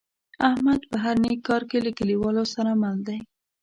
احمد په هر نیک کار کې له کلیوالو سره مل دی.